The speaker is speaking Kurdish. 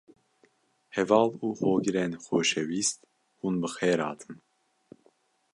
Heval û Hogirên Xoşewîst, hûn bi xêr hatin